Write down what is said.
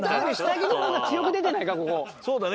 そうだね。